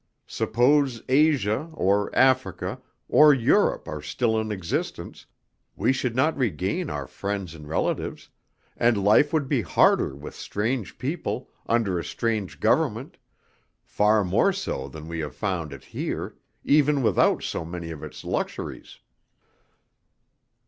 Suppose Asia, or Africa, or Europe are still in existence, we should not regain our friends and relatives, and life would be harder with strange people, under a strange government, far more so than we have found it here, even without so many of its luxuries."